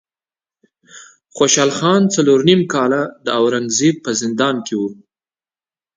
خوشحال خان څلور نیم کاله د اورنګ زیب په زندان کې و.